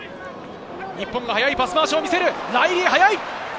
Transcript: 日本が速いパス回しを見せる、ライリーが速い！